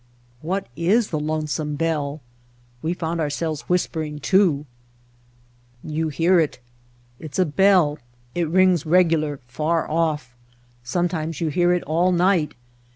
"What is the Lonesome Bell?" We found ourselves whispering too. White Heart of Mojave *'You hear it. It's a bell. It rings regular, far off. Sometimes you hear it all night.